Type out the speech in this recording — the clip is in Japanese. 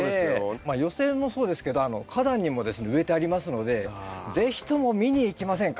まあ寄せ植えもそうですけど花壇にもですね植えてありますので是非とも見に行きませんか？